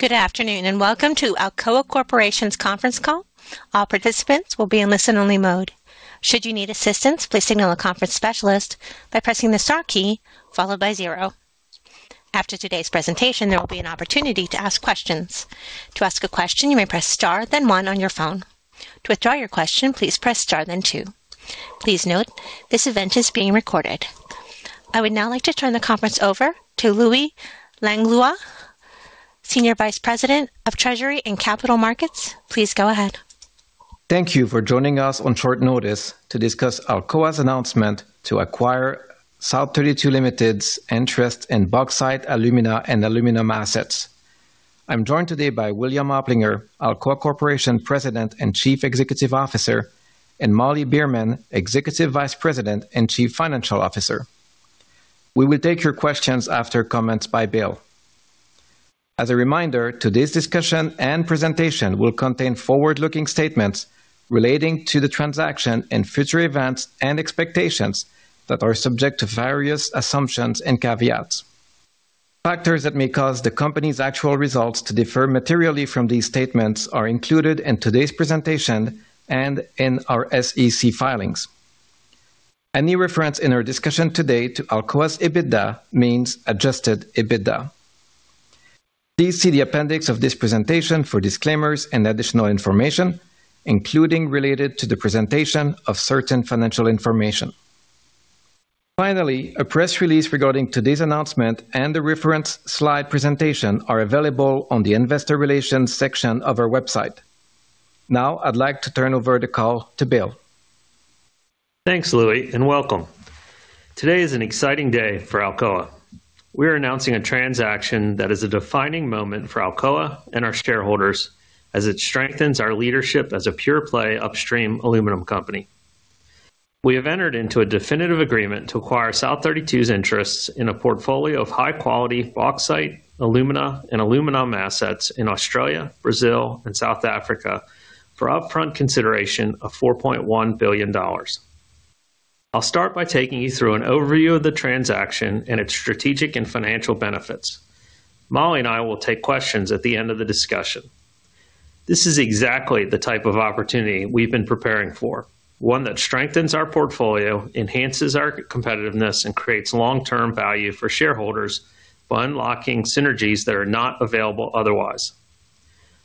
Good afternoon, and welcome to Alcoa Corporation's conference call. All participants will be in listen-only mode. Should you need assistance, please signal a conference specialist by pressing the star key followed by zero. After today's presentation, there will be an opportunity to ask questions. To ask a question, you may press star then one on your phone. To withdraw your question, please press star then two. Please note, this event is being recorded. I would now like to turn the conference over to Louis Langlois, Senior Vice President of Treasury and Capital Markets. Please go ahead. Thank you for joining us on short notice to discuss Alcoa's announcement to acquire South32 Limited's interest in bauxite, alumina and aluminum assets. I'm joined today by William Oplinger, Alcoa Corporation President and Chief Executive Officer, and Molly Beerman, Executive Vice President and Chief Financial Officer. We will take your questions after comments by Bill. As a reminder, today's discussion and presentation will contain forward-looking statements relating to the transaction and future events and expectations that are subject to various assumptions and caveats. Factors that may cause the company's actual results to differ materially from these statements are included in today's presentation and in our SEC filings. Any reference in our discussion today to Alcoa's EBITDA means adjusted EBITDA. Please see the appendix of this presentation for disclaimers and additional information, including related to the presentation of certain financial information. Finally, a press release regarding today's announcement and the reference slide presentation are available on the investor relations section of our website. Now I'd like to turn over the call to Bill. Thanks, Louis, and welcome. Today is an exciting day for Alcoa. We're announcing a transaction that is a defining moment for Alcoa and our shareholders as it strengthens our leadership as a pure-play upstream aluminum company. We have entered into a definitive agreement to acquire South32's interests in a portfolio of high-quality bauxite, alumina, and aluminum assets in Australia, Brazil, and South Africa for upfront consideration of $4.1 billion. I'll start by taking you through an overview of the transaction and its strategic and financial benefits. Molly and I will take questions at the end of the discussion. This is exactly the type of opportunity we've been preparing for, one that strengthens our portfolio, enhances our competitiveness, and creates long-term value for shareholders while unlocking synergies that are not available otherwise.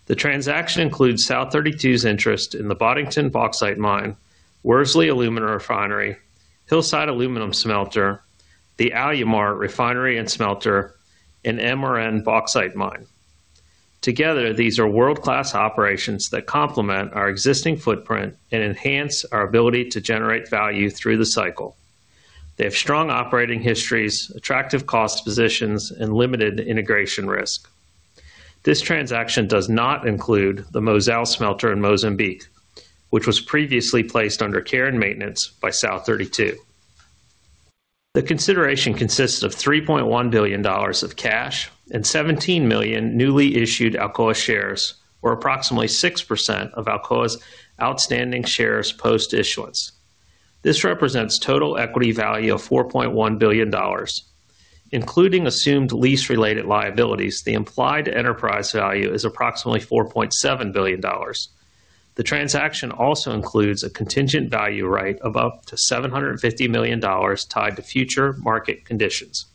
The transaction includes South32's interest in the Boddington Bauxite Mine, Worsley Alumina Refinery, Hillside Aluminum Smelter, the Alumar Refinery and Smelter, and MRN Bauxite Mine. Together, these are world-class operations that complement our existing footprint and enhance our ability to generate value through the cycle. They have strong operating histories, attractive cost positions, and limited integration risks. This transaction does not include the Mozal Smelter in Mozambique, which was previously placed under care and maintenance by South32. The consideration consists of $3.1 billion of cash and 17 million newly issued Alcoa shares, or approximately 6% of Alcoa's outstanding shares post-issuance. This represents total equity value of $4.1 billion, including assumed lease-related liabilities, the implied enterprise value is approximately $4.7 billion. The transaction also includes a Contingent Value Right of up to $750 million tied to future market conditions.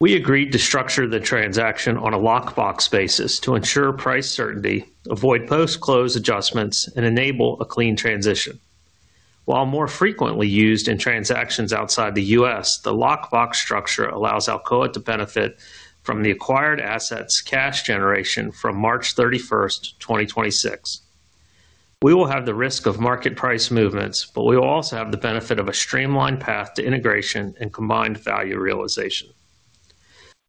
We agreed to structure the transaction on a lock-box basis to ensure price certainty, avoid post-close adjustments, and enable a clean transition. While more frequently used in transactions outside the U.S., the lock-box structure allows Alcoa to benefit from the acquired assets' cash generation from March 31, 2026. We will have the risk of market price movements, but we will also have the benefit of a streamlined path to integration and combined value realization.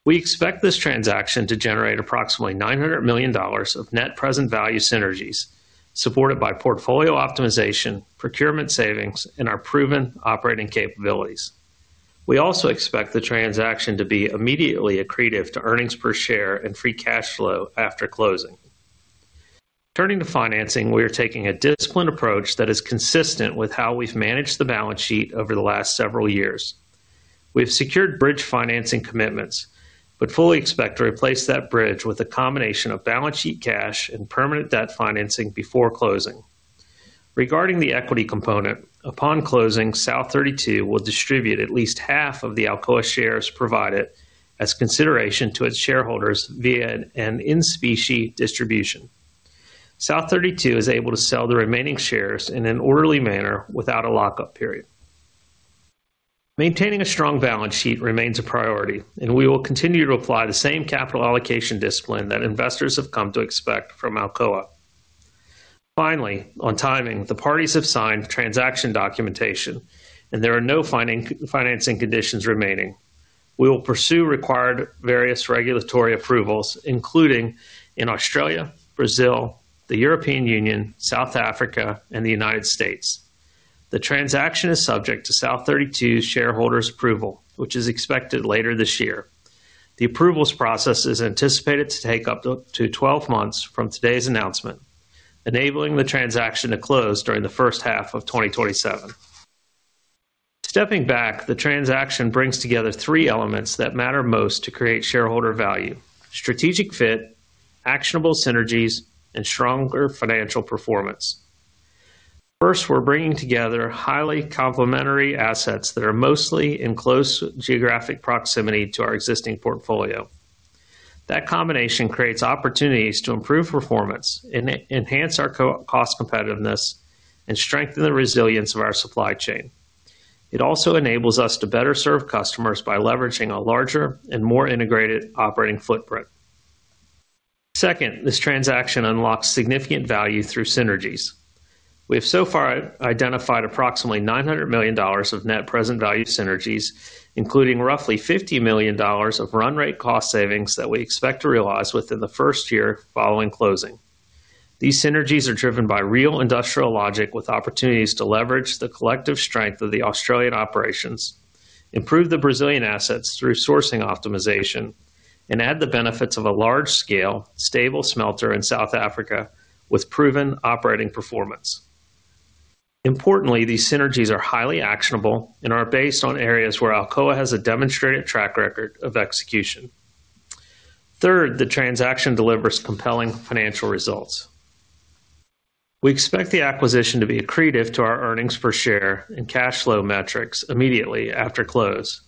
We expect this transaction to generate approximately $900 million of net present value synergies supported by portfolio optimization, procurement savings, and our proven operating capabilities. We also expect the transaction to be immediately accretive to earnings per share and free cash flow after closing. Turning to financing, we are taking a disciplined approach that is consistent with how we've managed the balance sheet over the last several years. We have secured bridge financing commitments and fully expect to replace that bridge with a combination of balance sheet cash and permanent debt financing before closing. Regarding the equity component, upon closing, South32 will distribute at least half of the Alcoa shares provided as consideration to its shareholders via an in-specie distribution. South32 is able to sell the remaining shares in an orderly manner without a lockup period. Maintaining a strong balance sheet remains a priority, and we will continue to apply the same capital allocation discipline that investors have come to expect from Alcoa. Finally, on timing, the parties have signed transaction documentation and there are no financing conditions remaining. We will pursue required various regulatory approvals, including in Australia, Brazil, the European Union, South Africa, and the U.S. The transaction is subject to South32 shareholders' approval, which is expected later this year. The approvals process is anticipated to take up to 12 months from today's announcement, enabling the transaction to close during the first half of 2027. Stepping back, the transaction brings together three elements that matter most to create shareholder value: strategic fit, actionable synergies, and stronger financial performance. First, we're bringing together highly complementary assets that are mostly in close geographic proximity to our existing portfolio. That combination creates opportunities to improve performance and enhance our cost competitiveness and strengthen the resilience of our supply chain. It also enables us to better serve customers by leveraging a larger and more integrated operating footprint. Second, this transaction unlocks significant value through synergies. We have so far identified approximately $900 million of net present value synergies, including roughly $50 million of run rate cost savings that we expect to realize within the first year following closing. These synergies are driven by real industrial logic with opportunities to leverage the collective strength of the Australian operations, improve the Brazilian assets through sourcing optimization, and add the benefits of a large scale, stable smelter in South Africa with proven operating performance. Importantly, these synergies are highly actionable and are based on areas where Alcoa has a demonstrated track record of execution. Third, the transaction delivers compelling financial results. We expect the acquisition to be accretive to our earnings per share and cash flow metrics immediately after close,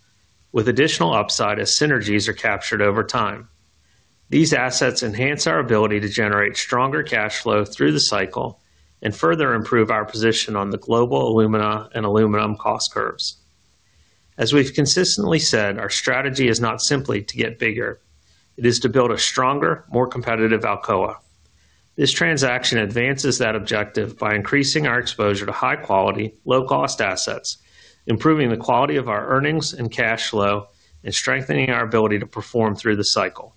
with additional upside as synergies are captured over time. These assets enhance our ability to generate stronger cash flow through the cycle and further improve our position on the global alumina and aluminum cost curves. As we've consistently said, our strategy is not simply to get bigger. It is to build a stronger, more competitive Alcoa. This transaction advances that objective by increasing our exposure to high-quality, low-cost assets, improving the quality of our earnings and cash flow, and strengthening our ability to perform through the cycle.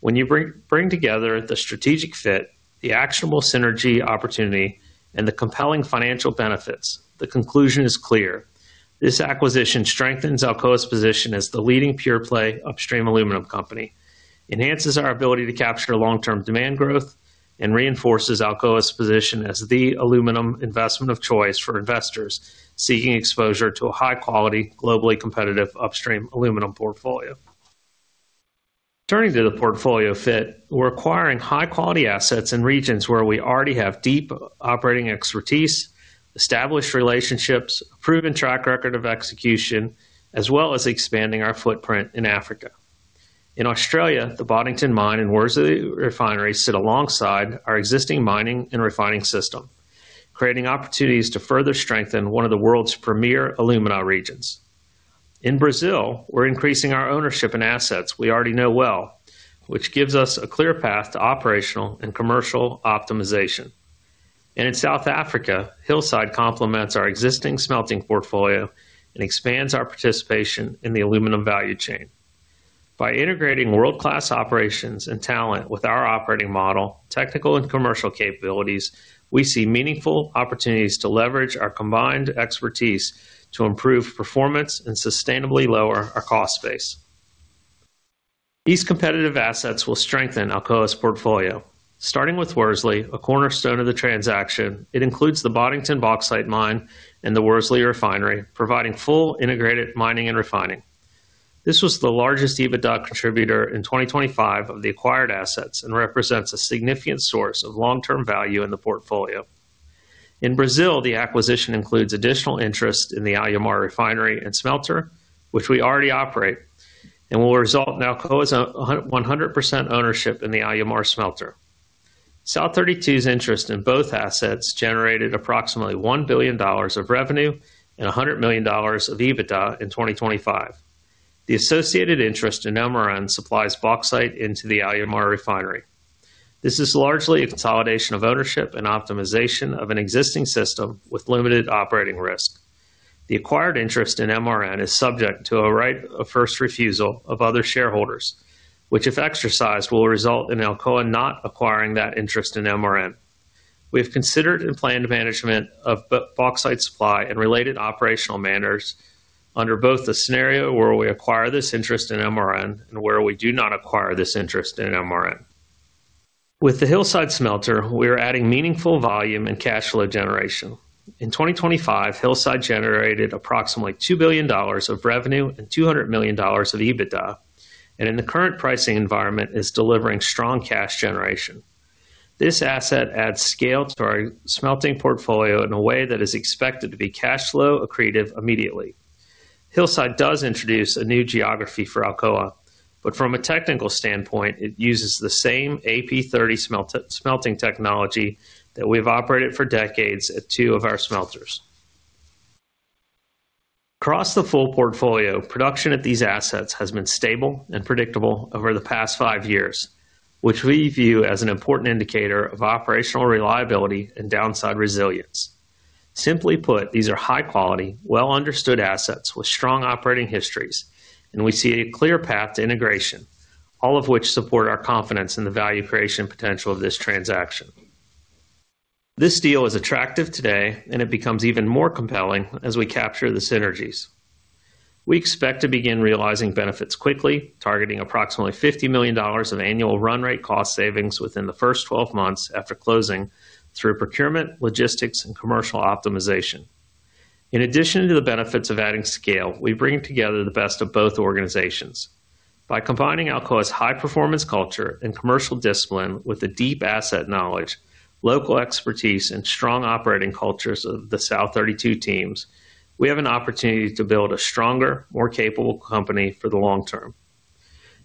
When you bring together the strategic fit, the actionable synergy opportunity, and the compelling financial benefits, the conclusion is clear. This acquisition strengthens Alcoa's position as the leading pure-play upstream aluminum company, enhances our ability to capture long-term demand growth, and reinforces Alcoa's position as the aluminum investment of choice for investors seeking exposure to a high-quality, globally competitive upstream aluminum portfolio. Turning to the portfolio fit, we're acquiring high-quality assets in regions where we already have deep operating expertise, established relationships, proven track record of execution, as well as expanding our footprint in Africa. In Australia, the Boddington Mine and Worsley Refinery sit alongside our existing mining and refining system, creating opportunities to further strengthen one of the world's premier alumina regions. In Brazil, we're increasing our ownership in assets we already know well, which gives us a clear path to operational and commercial optimization. In South Africa, Hillside complements our existing smelting portfolio and expands our participation in the aluminum value chain. By integrating world-class operations and talent with our operating model, technical and commercial capabilities, we see meaningful opportunities to leverage our combined expertise to improve performance and sustainably lower our cost base. These competitive assets will strengthen Alcoa's portfolio. Starting with Worsley, a cornerstone of the transaction, it includes the Boddington Bauxite Mine and the Worsley Refinery, providing fully integrated mining and refining. This was the largest EBITDA contributor in 2025 of the acquired assets and represents a significant source of long-term value in the portfolio. In Brazil, the acquisition includes additional interest in the Alumar Refinery and Smelter, which we already operate, and will result in Alcoa's 100% ownership in the Alumar Smelter. South32's interest in both assets generated approximately $1 billion of revenue and $100 million of EBITDA in 2025. The associated interest in MRN supplies bauxite into the Alumar Refinery. This is largely a consolidation of ownership and optimization of an existing system with limited operating risk. The acquired interest in MRN is subject to a right of first refusal of other shareholders, which if exercised, will result in Alcoa not acquiring that interest in MRN. We have considered and planned management of bauxite supply and related operational manners under both the scenario where we acquire this interest in MRN and where we do not acquire this interest in MRN. With the Hillside Smelter, we are adding meaningful volume and cash flow generation. In 2025, Hillside generated approximately $2 billion of revenue and $200 million of EBITDA, and in the current pricing environment, is delivering strong cash generation. This asset adds scale to our smelting portfolio in a way that is expected to be cash flow accretive immediately. Hillside does introduce a new geography for Alcoa, but from a technical standpoint, it uses the same AP30 smelting technology that we've operated for decades at two of our smelters. Across the full portfolio, production at these assets has been stable and predictable over the past five years, which we view as an important indicator of operational reliability and downside resilience. Simply put, these are high-quality, well understood assets with strong operating histories, and we see a clear path to integration, all of which support our confidence in the value creation potential of this transaction. This deal is attractive today, and it becomes even more compelling as we capture the synergies. We expect to begin realizing benefits quickly, targeting approximately $50 million of annual run rate cost savings within the first 12 months after closing through procurement, logistics, and commercial optimization. In addition to the benefits of adding scale, we bring together the best of both organizations. By combining Alcoa's high-performance culture and commercial discipline with the deep asset knowledge, local expertise, and strong operating cultures of the South32 teams, we have an opportunity to build a stronger, more capable company for the long term.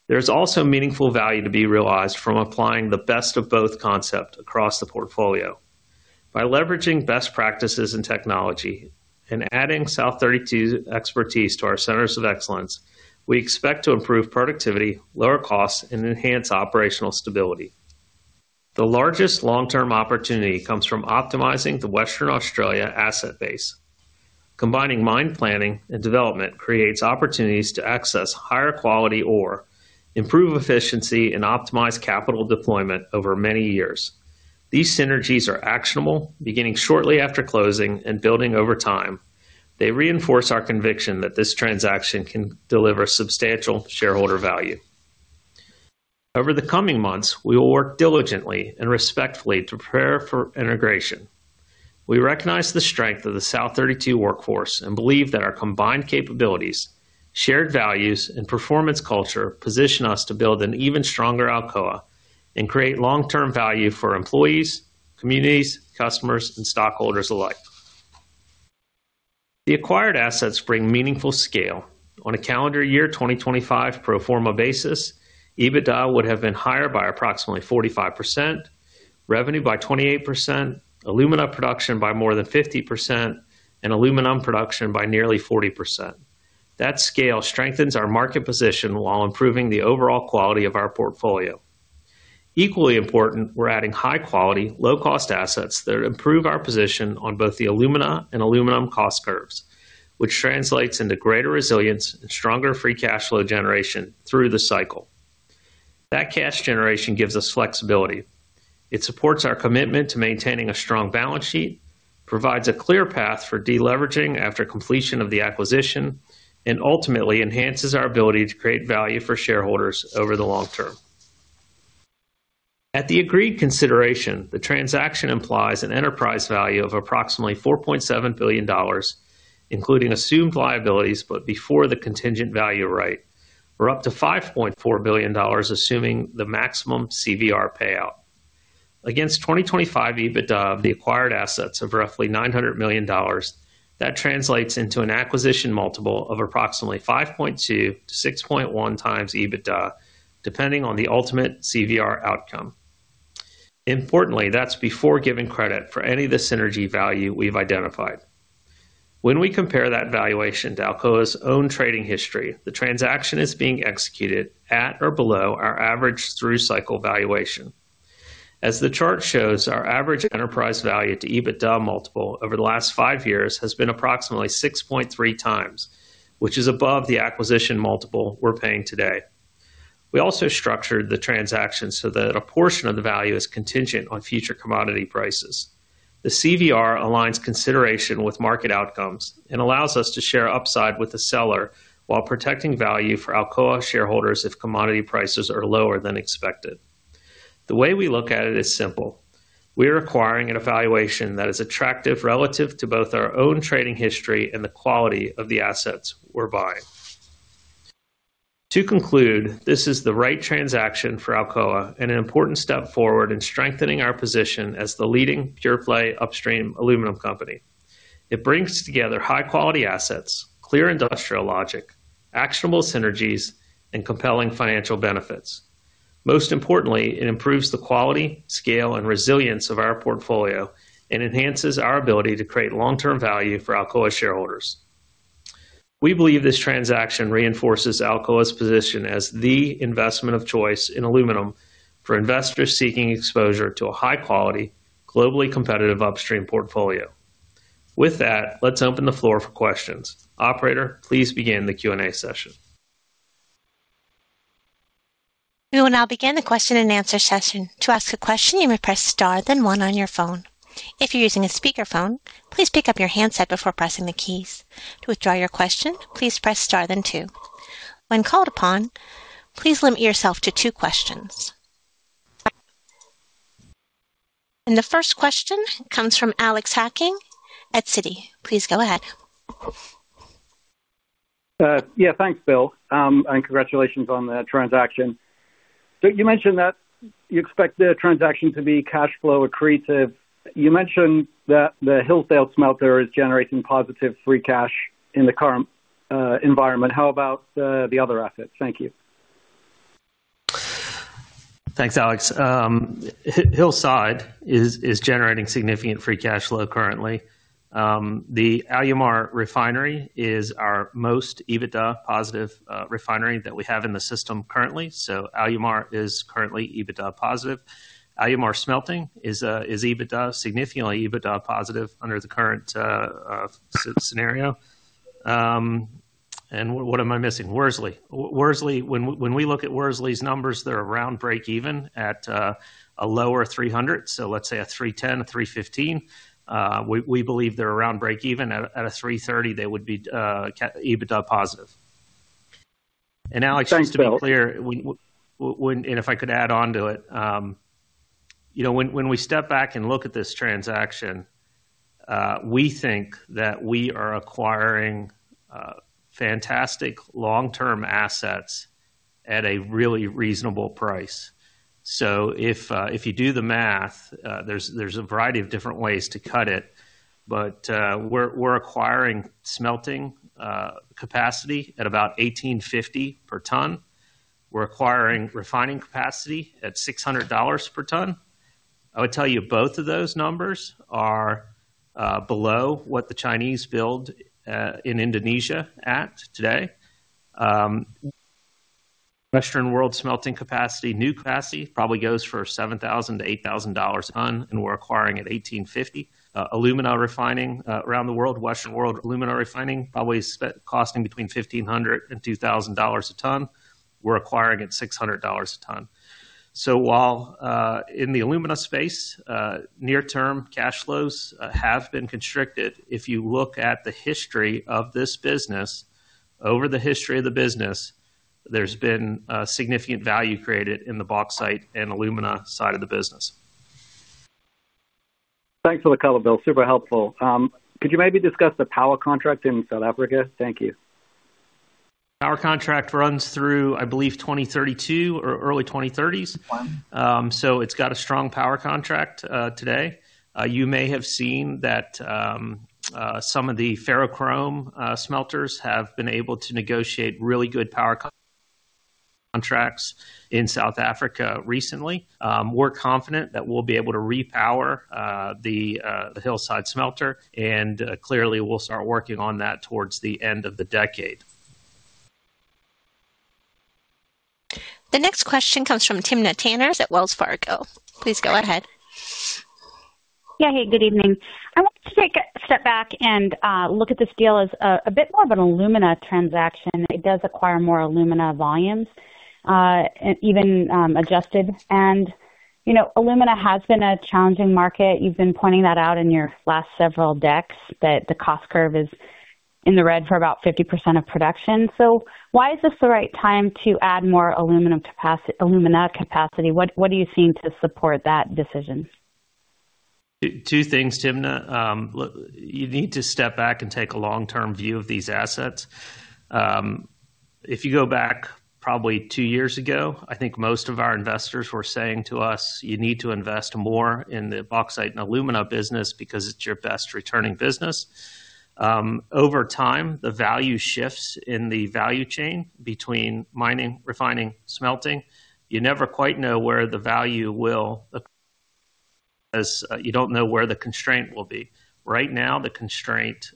There's also meaningful value to be realized from applying the best of both concepts across the portfolio. By leveraging best practices in technology and adding South32's expertise to our centers of excellence, we expect to improve productivity, lower costs, and enhance operational stability. The largest long-term opportunity comes from optimizing the Western Australia asset base. Combining mine planning and development creates opportunities to access higher quality ore, improve efficiency, and optimize capital deployment over many years. These synergies are actionable, beginning shortly after closing and building over time. They reinforce our conviction that this transaction can deliver substantial shareholder value. Over the coming months, we will work diligently and respectfully to prepare for integration. We recognize the strength of the South32 workforce and believe that our combined capabilities, shared values, and performance culture position us to build an even stronger Alcoa and create long-term value for employees, communities, customers, and stockholders alike. The acquired assets bring meaningful scale. On a calendar year 2025 pro forma basis, EBITDA would have been higher by approximately 45%, revenue by 28%, alumina production by more than 50%, and aluminum production by nearly 40%. That scale strengthens our market position while improving the overall quality of our portfolio. Equally important, we're adding high-quality, low-cost assets that improve our position on both the alumina and aluminum cost curves, which translates into greater resilience and stronger free cash flow generation through the cycle. That cash generation gives us flexibility. It supports our commitment to maintaining a strong balance sheet, provides a clear path for deleveraging after completion of the acquisition, and ultimately enhances our ability to create value for shareholders over the long term. At the agreed consideration, the transaction implies an enterprise value of approximately $4.7 billion, including assumed liabilities, but before the Contingent Value Right, or up to $5.4 billion, assuming the maximum CVR payout. Against 2025 EBITDA of the acquired assets of roughly $900 million, that translates into an acquisition multiple of approximately 5.2x to 6.1x EBITDA, depending on the ultimate CVR outcome. Importantly, that's before giving credit for any of the synergy value we've identified. When we compare that valuation to Alcoa's own trading history, the transaction is being executed at or below our average through-cycle valuation. As the chart shows, our average enterprise value to EBITDA multiple over the last five years has been approximately 6.3x, which is above the acquisition multiple we're paying today. We also structured the transaction so that a portion of the value is contingent on future commodity prices. The CVR aligns consideration with market outcomes and allows us to share upside with the seller while protecting value for Alcoa shareholders if commodity prices are lower than expected. The way we look at it is simple. We are acquiring a valuation that is attractive relative to both our own trading history and the quality of the assets we're buying. To conclude, this is the right transaction for Alcoa and an important step forward in strengthening our position as the leading pure-play upstream aluminum company. It brings together high-quality assets, clear industrial logic, actionable synergies, and compelling financial benefits. Most importantly, it improves the quality, scale, and resilience of our portfolio and enhances our ability to create long-term value for Alcoa shareholders. We believe this transaction reinforces Alcoa's position as the investment of choice in aluminum for investors seeking exposure to a high-quality, globally competitive upstream portfolio. With that, let's open the floor for questions. Operator, please begin the Q&A session. We will now begin the question and answer session. To ask a question, you may press star then one on your phone. If you're using a speakerphone, please pick up your handset before pressing the keys. To withdraw your question, please press star then two. When called upon, please limit yourself to two questions. And the first question comes from Alex Hacking at Citi. Please go ahead. Yeah. Thanks, Bill, and congratulations on the transaction. You mentioned that you expect the transaction to be cash flow accretive. You mentioned that the Hillside Smelter is generating positive free cash in the current environment. How about the other assets? Thank you. Thanks, Alex. Hillside is generating significant free cash flow currently. The Alumar Refinery is our most EBITDA positive refinery that we have in the system currently. Alumar is currently EBITDA positive. Alumar Smelting is significantly EBITDA positive under the current scenario. What am I missing? Worsley. When we look at Worsley's numbers, they're around breakeven at a lower $300 a ton. Let's say a $310, a $315. We believe they're around breakeven. At a $330, they would be EBITDA positive. Alex, just to be clear, and if I could add onto it. When we step back and look at this transaction, we think that we are acquiring fantastic long-term assets at a really reasonable price. If you do the math, there's a variety of different ways to cut it, but we're acquiring smelting capacity at about $1,850 per ton. We're acquiring refining capacity at $600 per ton. I would tell you both of those numbers are below what the Chinese build in Indonesia at today. Western world smelting capacity, new capacity probably goes for $7,000-$8,000 a ton, and we're acquiring at $1,850. Alumina refining around the world, Western world alumina refining probably costing between $1,500-$2,000 a ton. We're acquiring at $600 a ton. While in the alumina space, near-term cash flows have been constrained. If you look at the history of this business, over the history of the business, there's been significant value created in the bauxite and alumina side of the business. Thanks for the color, Bill. Super helpful. Could you maybe discuss the power contract in South Africa? Thank you. Power contract runs through, I believe, 2032 or early 2030. It's got a strong power contract today. You may have seen that some of the ferrochrome smelters have been able to negotiate really good power contracts in South Africa recently. We're confident that we'll be able to repower the Hillside smelter. Clearly we'll start working on that towards the end of the decade. The next question comes from Timna Tanners at Wells Fargo. Please go ahead. Yeah. Hey, good evening. I wanted to take a step back and look at this deal as a bit more of an alumina transaction. It does acquire more alumina volumes, even adjusted. Alumina has been a challenging market. You've been pointing that out in your last several decks that the cost curve is in the red for about 50% of production. Why is this the right time to add more alumina capacity? What are you seeing to support that decision? Two things, Timna. You need to step back and take a long-term view of these assets. If you go back probably two years ago, I think most of our investors were saying to us, "You need to invest more in the bauxite and alumina business because it's your best returning business." Over time, the value shifts in the value chain between mining, refining, smelting. You never quite know where the value will, as you don't know where the constraint will be. Right now, the constraint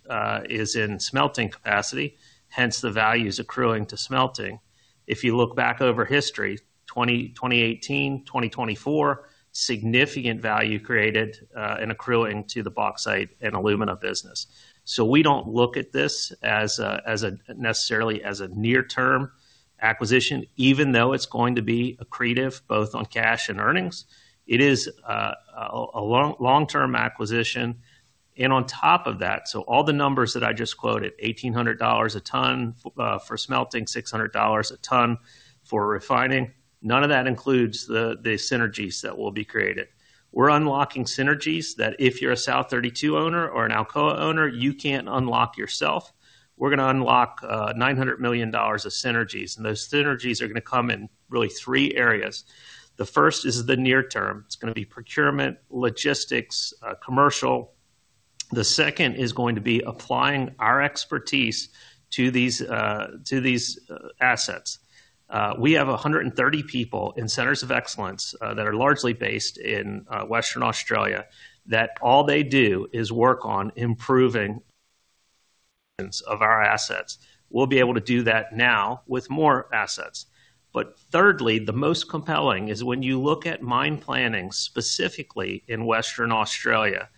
is in smelting capacity, hence the value's accruing to smelting. If you look back over history, 2018, 2024, significant value was created and accrued to the bauxite and alumina business. We don't look at this necessarily as a near-term acquisition, even though it's going to be accretive, both on cash and earnings. It is a long-term acquisition. On top of that, all the numbers that I just quoted, $1,800 a ton for smelting, $600 a ton for refining, none of that includes the synergies that will be created. We're unlocking synergies that if you're a South32 owner or an Alcoa owner, you can't unlock yourself. We are going to unlock $900 million of synergies, and those synergies are going to come in really three areas. The first is the near term. It's going to be procurement, logistics, commercial. The second is going to be applying our expertise to these assets. We have 130 people in centers of excellence that are largely based in Western Australia, that all they do is work on improving our assets. We'll be able to do that now with more assets. Thirdly, the most compelling is when you look at mine planning, specifically in Western Australia.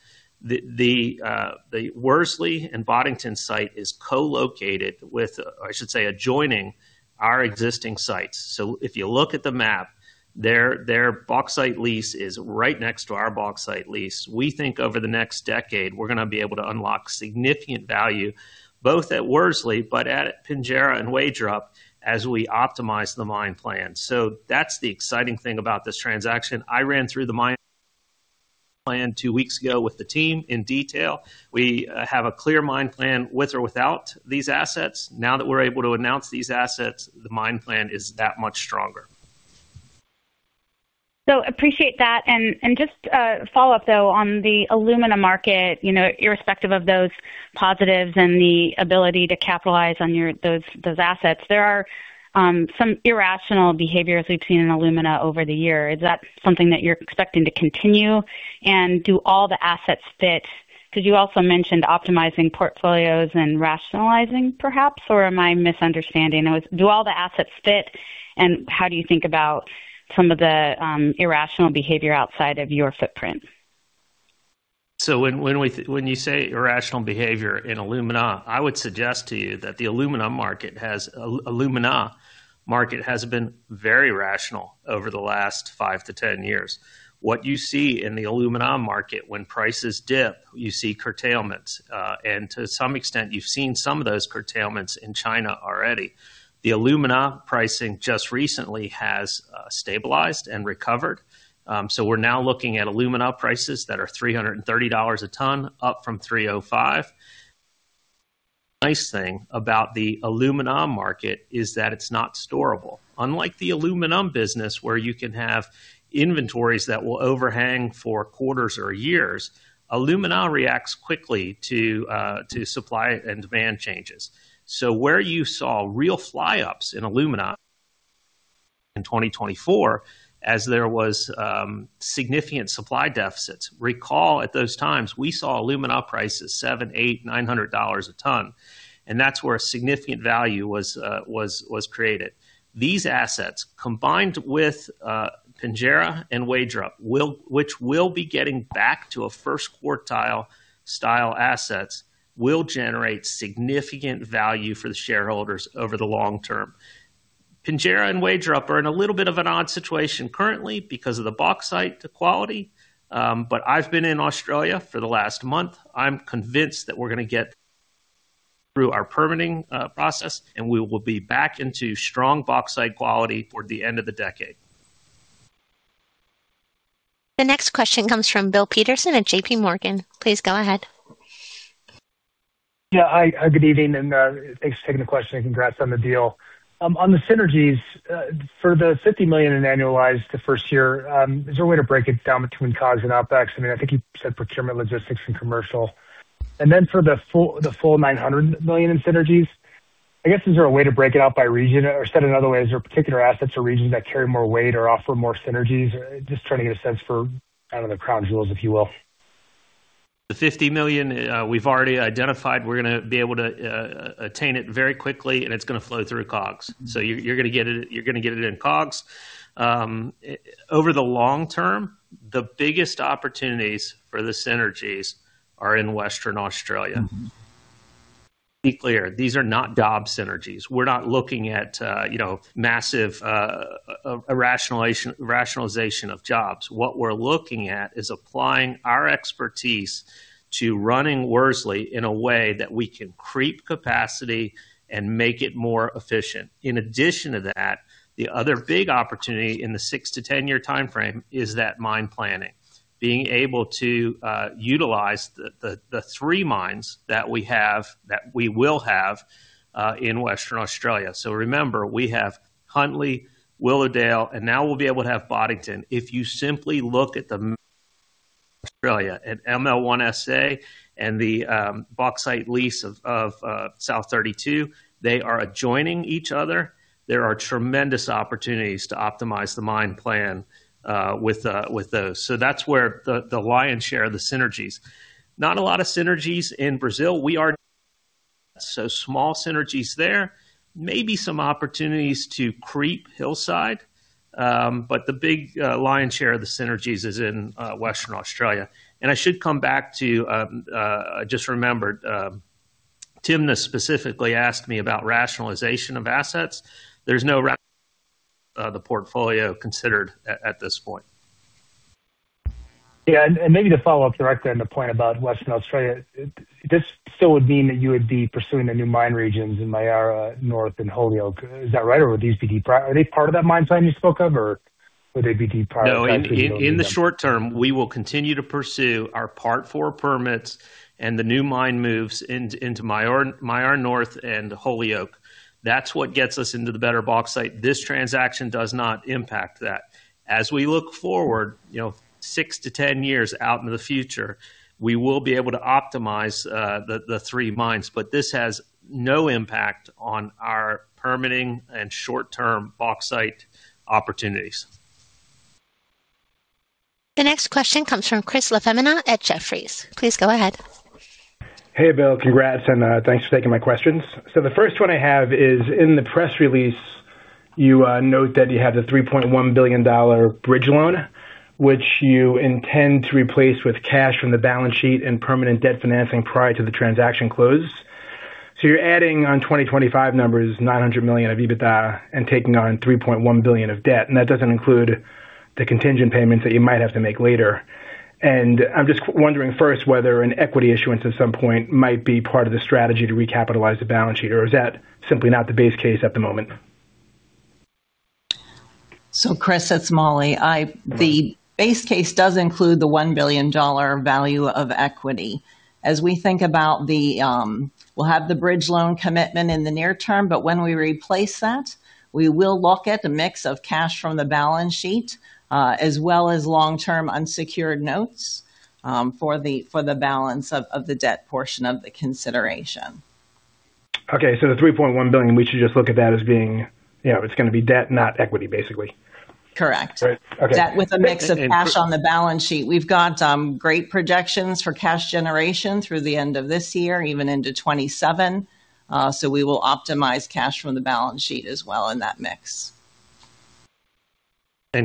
The Worsley and Boddington site is co-located with, I should say, adjoining our existing sites. If you look at the map, their bauxite lease is right next to our bauxite lease. We think over the next decade, we're going to be able to unlock significant value, both at Worsley, but at Pinjarra and Wagerup, as we optimize the mine plan. That's the exciting thing about this transaction. I ran through the mine plan two weeks ago with the team in detail. We have a clear mine plan with or without these assets. Now that we're able to announce these assets, the mine plan is that much stronger. Appreciate that. Just a follow-up, though, on the alumina market, irrespective of those positives and the ability to capitalize on those assets. There are some irrational behaviors we've seen in alumina over the year. Is that something that you're expecting to continue? Do all the assets fit? You also mentioned optimizing portfolios and rationalizing perhaps, or am I misunderstanding? Do all the assets fit, and how do you think about some of the irrational behavior outside of your footprint? When you say irrational behavior in alumina, I would suggest to you that the alumina market has been very rational over the last five to 10 years. What you see in the alumina market when prices dip, you see curtailments. To some extent, you've seen some of those curtailments in China already. The alumina pricing just recently has stabilized and recovered. We're now looking at alumina prices that are $330 a ton, up from $305. Nice thing about the alumina market is that it's not storable. Unlike the aluminum business where you can have inventories that will overhang for quarters or years, alumina reacts quickly to supply and demand changes. Where you saw real fly-ups in alumina in 2024 as there was significant supply deficits. Recall at those times, we saw alumina prices $700, $800, $900 a ton, and that's where a significant value was created. These assets, combined with Pinjarra and Wagerup, which will be getting back to a first quartile style assets, will generate significant value for the shareholders over the long term. Pinjarra and Wagerup are in a little bit of an odd situation currently because of the bauxite quality. I've been in Australia for the last month. I'm convinced that we're going to get through our permitting process, and we will be back into strong bauxite quality for the end of the decade. The next question comes from Bill Peterson at JPMorgan. Please go ahead. Hi, good evening, thanks for taking the question, and congrats on the deal. On the synergies, for the $50 million in annualized savings during the first year, is there a way to break it down between COGS and OpEx? I think you said procurement, logistics, and commercial. For the full $900 million in synergies, I guess, is there a way to break it out by region? Or said another way, is there particular assets or regions that carry more weight or offer more synergies? Just trying to get a sense for the crown jewels, if you will. The $50 million, we've already identified. We're going to be able to attain it very quickly, and it's going to flow through COGS. You're going to get it in COGS. Over the long term, the biggest opportunities for the synergies are in Western Australia. Be clear, these are not job synergies. We're not looking at massive rationalization of jobs. What we're looking at is applying our expertise to running Worsley in a way that we can creep capacity and make it more efficient. In addition to that, the other big opportunity in the 6-10-year timeframe is that mine planning, being able to utilize the three mines that we will have in Western Australia. Remember, we have Huntly, Willowdale, and now we'll be able to have Boddington. If you simply look at the map of Australia at ML1SA and the bauxite lease of South32, they are adjoining each other. There are tremendous opportunities to optimize the mine plan with those. That's where the lion's share of the synergies. Not a lot of synergies in Brazil. We are so small synergies there. Maybe some opportunities to creep Hillside. The big lion's share of the synergies is in Western Australia. I just remembered, Timna specifically asked me about rationalization of assets. There's no rationalization of the portfolio considered at this point. Yeah. Maybe to follow up directly on the point about Western Australia, this still would mean that you would be pursuing the new mine regions in Myara North and Holyoake, is that right? Are they part of that mine plan you spoke of, or would they be deprived by actually building them? No, in the short term, we will continue to pursue our Part IV permits and the new mine moves into Myara North and Holyoake. That's what gets us into the better bauxite. This transaction does not impact that. As we look forward 6-10 years out into the future, we will be able to optimize the three mines, this has no impact on our permitting and short-term bauxite opportunities. The next question comes from Chris LaFemina at Jefferies. Please go ahead. Hey, Bill. Congrats and thanks for taking my questions. The first one I have is in the press release, you note that you have the $3.1 billion bridge loan, which you intend to replace with cash from the balance sheet and permanent debt financing prior to the transaction close. You're adding on 2025 numbers, $900 million of EBITDA and taking on $3.1 billion of debt, and that doesn't include the contingent payments that you might have to make later. I'm just wondering first whether an equity issuance at some point might be part of the strategy to recapitalize the balance sheet, or is that simply not the base case at the moment? Chris, that's Molly. The base case does include the $1 billion value of equity. As we think about the, we'll have the bridge loan commitment in the near term, but when we replace that, we will look at a mix of cash from the balance sheet, as well as long-term unsecured notes, for the balance of the debt portion of the consideration. Okay. The $3.1 billion, we should just look at that as being it's going to be debt, not equity, basically. Correct. Right. Okay. That with a mix of cash on the balance sheet. We've got great projections for cash generation through the end of this year, even into 2027. We will optimize cash from the balance sheet as well in that mix.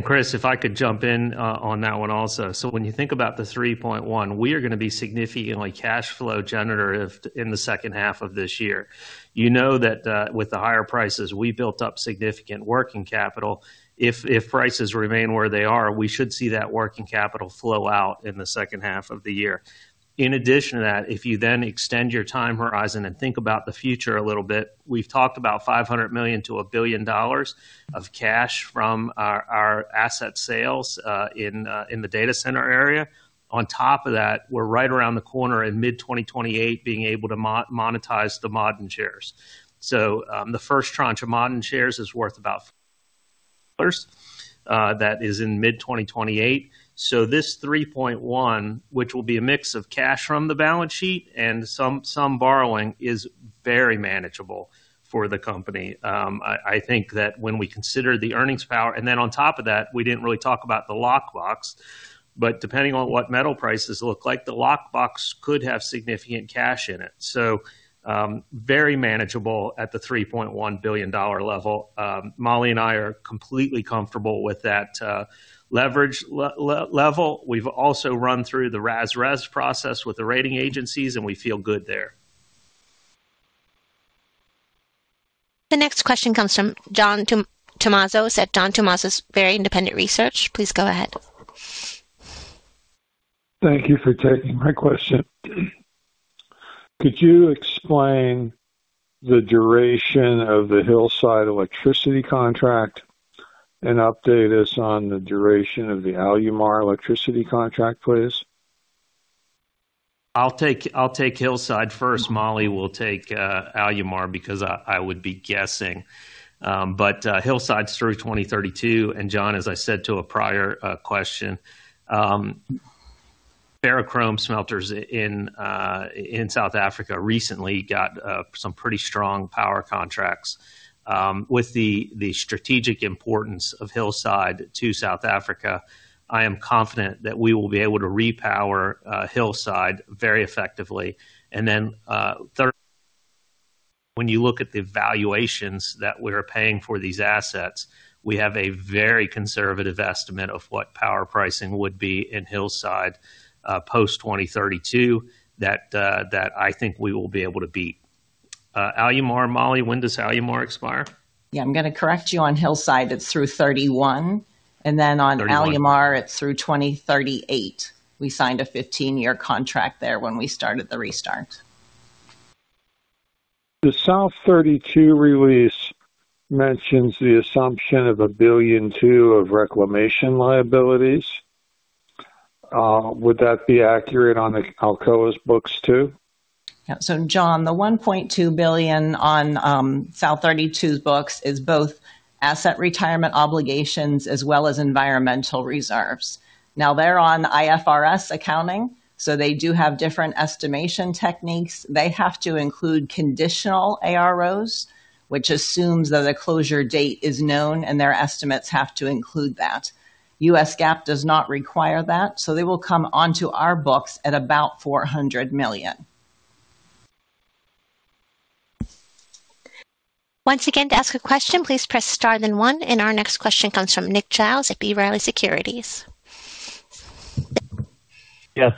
Chris, if I could jump in on that one also. When you think about the $3.1 billion, we are going to be significantly cash flow generative in the second half of this year. You know that with the higher prices, we built up significant working capital. If prices remain where they are, we should see that working capital flow out in the second half of the year. In addition to that, if you then extend your time horizon and think about the future a little bit, we've talked about $500 million-$1 billion of cash from our asset sales in the data center area. On top of that, we're right around the corner in mid 2028 being able to monetize the Ma'aden shares. The first tranche of Ma'aden shares is worth about that is in mid 2028. This $3.1 billion, which will be a mix of cash from the balance sheet and some borrowing, is very manageable for the company. I think that when we consider the earnings power, and then on top of that, we didn't really talk about the locked-box, but depending on what metal prices look like, the locked-box could have significant cash in it. Very manageable at the $3.1 billion level. Molly and I are completely comfortable with that leverage level. We've also run through the RAS-RES process with the rating agencies, and we feel good there. The next question comes from John Tumazos at John Tumazos Very Independent Research. Please go ahead. Thank you for taking my question. Could you explain the duration of the Hillside electricity contract and update us on the duration of the Alumar electricity contract, please? I'll take Hillside first. Molly will take Alumar because I would be guessing. Hillside's through 2032, and John, as I said to a prior question, ferromanganese smelters in South Africa recently got some pretty strong power contracts. With the strategic importance of Hillside to South Africa, I am confident that we will be able to repower Hillside very effectively. Third, when you look at the valuations that we're paying for these assets, we have a very conservative estimate of what power pricing would be in Hillside post-2032 that I think we will be able to beat. Alumar, Molly, when does Alumar expire? Yeah, I'm going to correct you on Hillside. It's through 2031. On Alumar- '31 It's through 2038. We signed a 15-year contract there when we started the restart. The South32 release mentions the assumption of $1.2 billion of reclamation liabilities. Would that be accurate on Alcoa's books, too? John, the $1.2 billion on South32's books is both asset retirement obligations as well as environmental reserves. They're on IFRS accounting, so they do have different estimation techniques. They have to include conditional AROs, which assume that a closure date is known, and their estimates have to include that. US GAAP does not require that, so they will come onto our books at about $400 million. Once again, to ask a question, please press star then one, our next question comes from Nick Giles at B. Riley Securities.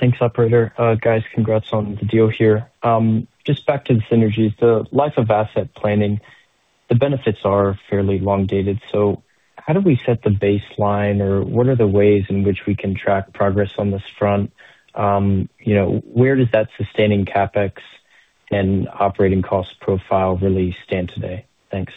Thanks, operator. Guys, congrats on the deal here. Just back to the synergies. The life of asset planning, the benefits are fairly long-dated. How do we set the baseline, or what are the ways in which we can track progress on this front? Where does that sustaining CapEx and operating cost profile really stand today? Thanks.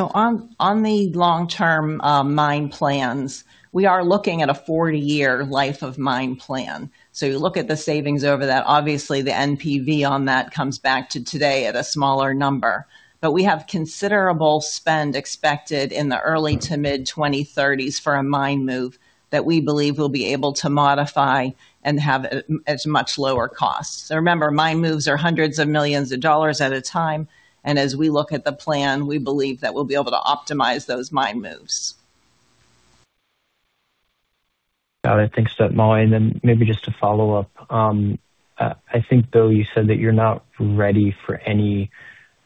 On the long-term mine plans, we are looking at a 40-year life of mine plan. You look at the savings over that, obviously the NPV on that comes back to today at a smaller number. We have considerable spend expected in the early to mid 2030s for a mine move that we believe we'll be able to modify and have at much lower costs. Remember, mine moves are hundreds of millions of dollars at a time, and as we look at the plan, we believe that we'll be able to optimize those mine moves. Got it. Thanks for that, Molly. Maybe just to follow up. I think, Bill, you said that you're not ready for any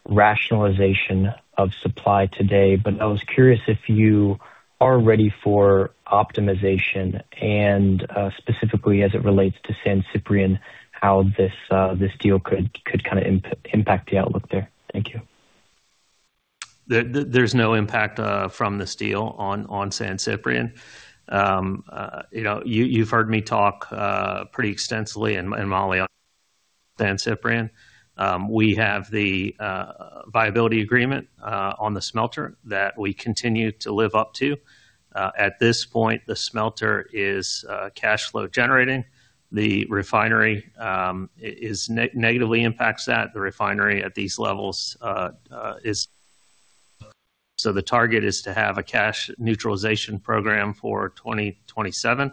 rationalization of supply today, but I was curious if you are ready for optimization and, specifically as it relates to San Ciprián, how this deal could kind of impact the outlook there. Thank you. There's no impact from this deal on San Ciprián. You've heard me talk pretty extensively, and Molly, on San Ciprián. We have the viability agreement on the smelter that we continue to live up to. At this point, the smelter is cash flow generating. The refinery negatively impacts that. The refinery at these levels is a drag. The target is to have a cash neutralization program for 2027.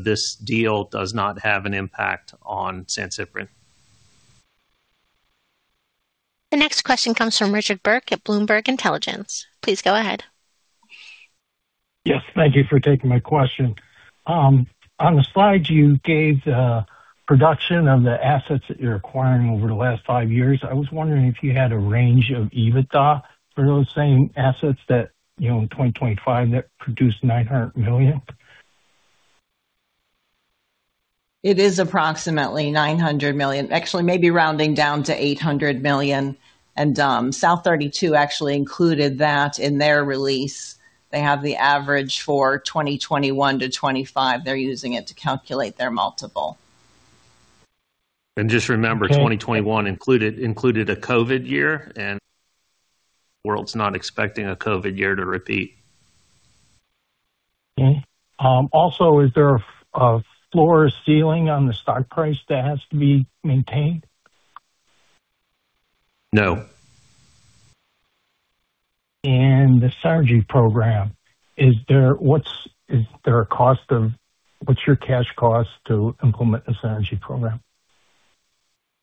This deal does not have an impact on San Ciprián. The next question comes from Richard Bourke at Bloomberg Intelligence. Please go ahead. Yes. Thank you for taking my question. On the slide you gave the production of the assets that you're acquiring over the last five years. I was wondering if you had a range of EBITDA for those same assets that in 2025, that produced $900 million. It is approximately $900 million. Actually, maybe rounding down to $800 million. South32 actually included that in their release. They have the average for 2021-2025. They're using it to calculate their multiple. Just remember, 2021 included a COVID year, and the world's not expecting a COVID year to repeat. Also, is there a floor or ceiling on the stock price that has to be maintained? No. The synergy program, is there a cost of What's your cash cost to implement the synergy program?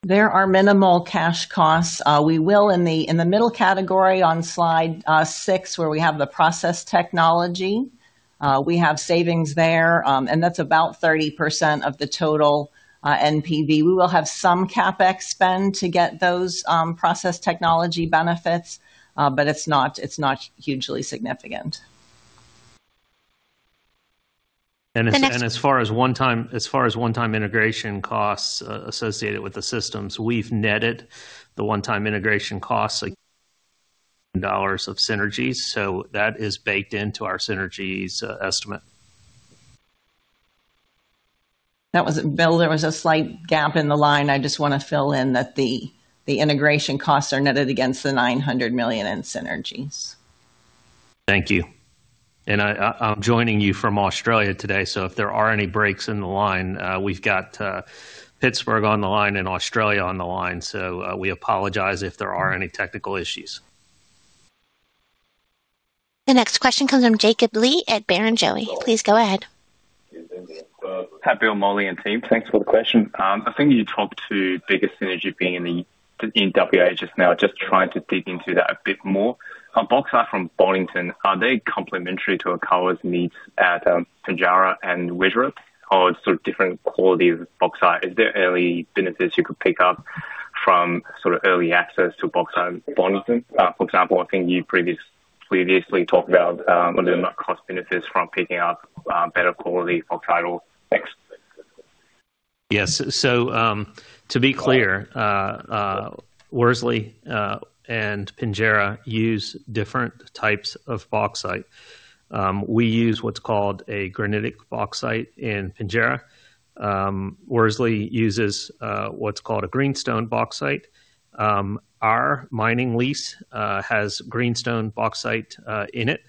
There are minimal cash costs. We will in the middle category on slide six, where we have the process technology, we have savings there, and that's about 30% of the total NPV. We will have some CapEx spend to get those process technology benefits, it's not hugely significant. As far as one-time integration costs associated with the systems, we've netted the one-time integration costs dollars of synergies. That is baked into our synergies estimate. Bill, there was a slight gap in the line. I just want to fill in that the integration costs are netted against the $900 million in synergies. Thank you. I'm joining you from Australia today, if there are any breaks in the line, we've got Pittsburgh on the line and Australia on the line. We apologize if there are any technical issues. The next question comes from Jacob Li at Barrenjoey. Please go ahead. Hi, Bill, Molly, and team. Thanks for the question. I think you talked to bigger synergy being in Western Australia just now. Just trying to dig into that a bit more. Bauxite from Boddington, are they complementary to Alcoa's needs at Pinjarra and Wagerup, or sort of different quality of bauxite? Is there early benefits you could pick up from sort of early access to bauxite at Boddington? For example, I think you previously talked about, whether or not cost benefits from picking up better quality bauxite? Thanks. Yes. To be clear, Worsley and Pinjarra use different types of bauxite. We use what's called a granitic bauxite in Pinjarra. Worsley uses what's called a greenstone bauxite. Our mining lease has greenstone bauxite in it.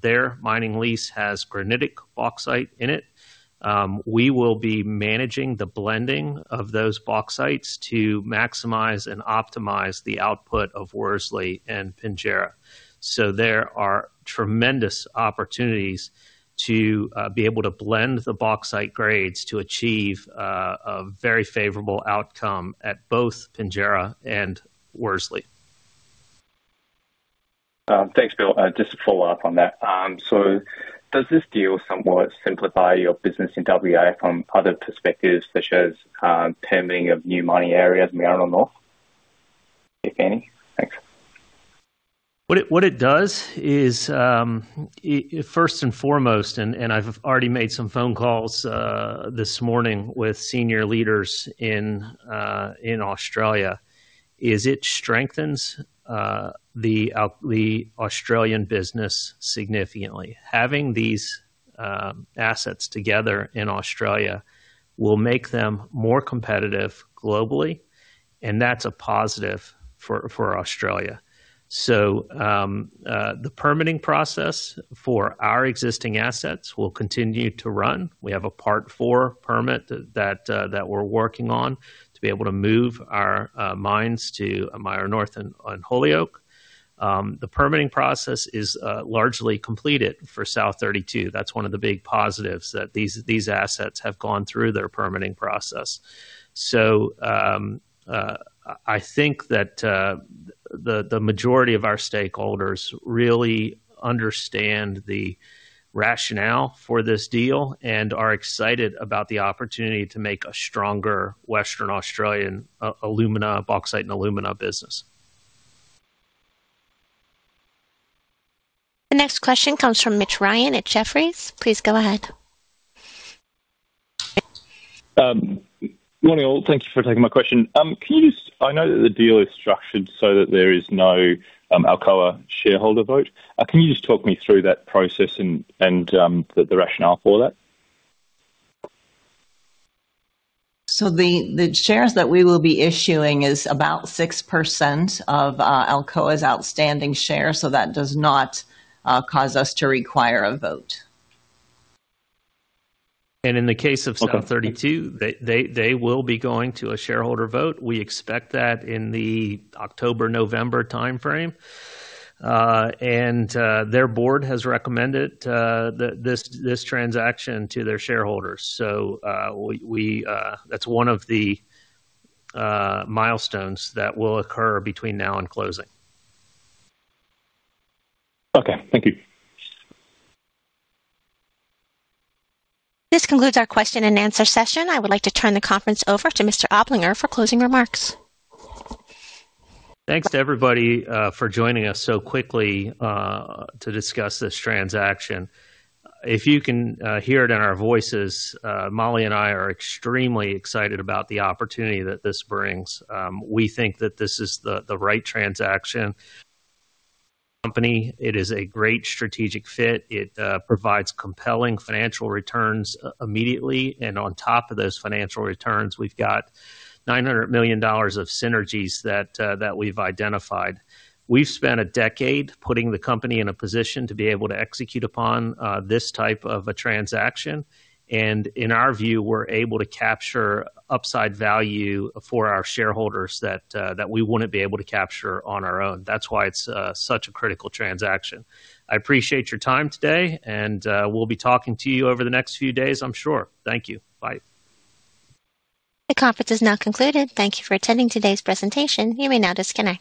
Their mining lease has granitic bauxite in it. We will be managing the blending of those bauxites to maximize and optimize the output of Worsley and Pinjarra. There are tremendous opportunities to be able to blend the bauxite grades to achieve a very favorable outcome at both Pinjarra and Worsley. Thanks, Bill. Just to follow up on that. Does this deal somewhat simplify your business in Western Australia from other perspectives, such as permitting of new mining areas, Myara North, if any? Thanks. What it does is, first and foremost, and I've already made some phone calls this morning with senior leaders in Australia, is it strengthens the Australian business significantly. Having these assets together in Australia will make them more competitive globally, and that's a positive for Australia. The permitting process for our existing assets will continue to run. We have a Part IV permit that we're working on to be able to move our mines to Myara North and Holyoake. The permitting process is largely completed for South32. That's one of the big positives, that these assets have gone through their permitting process. I think that the majority of our stakeholders really understand the rationale for this deal and are excited about the opportunity to make a stronger Western Australian bauxite and alumina business. The next question comes from Mitch Ryan at Jefferies. Please go ahead. Morning, all. Thank you for taking my question. I know that the deal is structured so that there is no Alcoa shareholder vote. Can you just talk me through that process and the rationale for that? The shares that we will be issuing is about 6% of Alcoa's outstanding shares, so that does not cause us to require a vote. In the case of South32, they will be going to a shareholder vote. We expect that in the October-November timeframe. Their board has recommended this transaction to their shareholders. That's one of the milestones that will occur between now and closing. Okay. Thank you. This concludes our question and answer session. I would like to turn the conference over to Mr. Oplinger for closing remarks. Thanks to everybody for joining us so quickly to discuss this transaction. If you can hear it in our voices, Molly and I are extremely excited about the opportunity that this brings. We think that this is the right transaction for the Company. It is a great strategic fit. It provides compelling financial returns immediately, and on top of those financial returns, we've got $900 million of synergies that we've identified. We've spent a decade putting the company in a position to be able to execute upon this type of a transaction. In our view, we're able to capture upside value for our shareholders that we wouldn't be able to capture on our own. That's why it's such a critical transaction. I appreciate your time today, and we'll be talking to you over the next few days, I'm sure. Thank you. Bye. The conference is now concluded. Thank you for attending today's presentation. You may now disconnect.